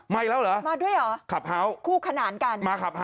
มาอีกแล้วเหรอขับเฮาส์มาขับเฮาส์คู่ขนานกัน